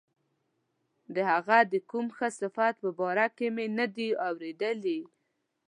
د هغه د کوم ښه صفت په باره کې مې نه دي اوریدلي.